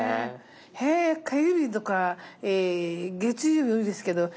へえ火曜日とか月曜日多いですけど